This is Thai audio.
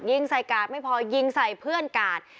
ยิงใส่กาดไม่พอยิงใส่เพื่อนกาด